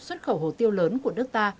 xuất khẩu hồ tiêu lớn của nước ta